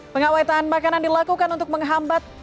pengawetan makanan dilakukan untuk menghambat